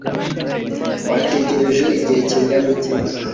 wategereje igihe kingana iki